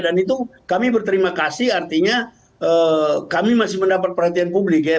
dan itu kami berterima kasih artinya kami masih mendapat perhatian publik ya